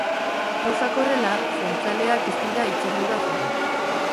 Gauzak horrela, jeltzaleak ez dira hitzordura joan.